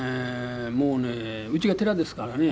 もうね家が寺ですからね。